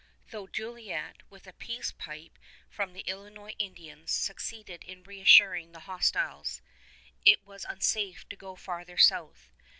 Though Jolliet, with a peace pipe from the Illinois Indians, succeeded in reassuring the hostiles, it was unsafe to go farther south.